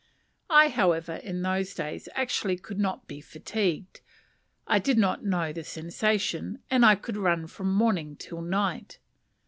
I, however, in those days actually could not be fatigued: I did not know the sensation, and I could run from morning till night.